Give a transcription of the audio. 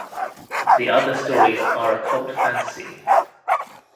The others stories are occult fantasy.